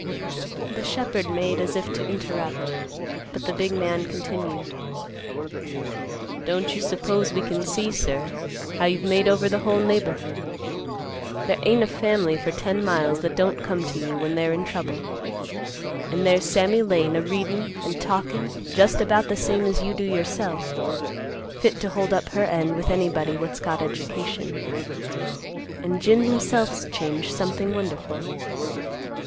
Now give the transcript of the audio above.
The shepherd made as if to interrupt, but the big man continued; "Don't you suppose we can see, sir, how you've made over the whole neighborhood. There ain't a family for ten miles that don't come to you when they're in trouble. An' there's Sammy Lane a readin', an' talkin' just about the same as you do yourself, fit to hold up her end with anybody what's got education, and Jim himself's changed something wonderful.